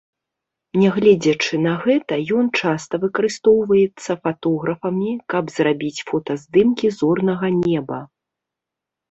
Нягледзячы на гэта, ён часта выкарыстоўваецца фатографамі, каб зрабіць фотаздымкі зорнага неба.